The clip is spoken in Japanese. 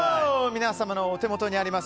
皆様のお手元にあります